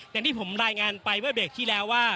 อย่างที่ผมรายงานไปเมื่อเบรกที่แล้วว่า